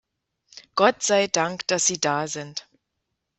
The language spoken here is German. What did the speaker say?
Gott sei dank, dass Sie da sind!